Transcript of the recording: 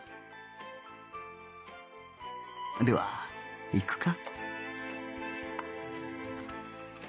ではいくか